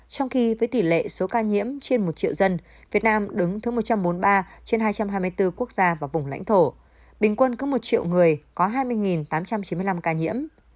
trong khi với tỷ lệ số ca nhiễm trên một triệu dân việt nam đứng thứ một trăm bốn mươi ba trên hai trăm hai mươi bốn quốc gia và vùng lãnh thổ bình quân có một triệu người có hai mươi tám trăm chín mươi năm ca nhiễm